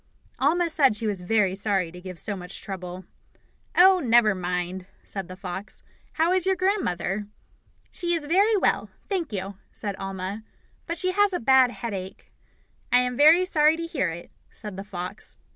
Alma said she was very sorry to give so much trouble. "Oh, never mind," said the fox. "How is your grandmother?" "She is very well, thank you," said Alma, "but she has a bad headache." "I am very sorry to hear it," said the fox.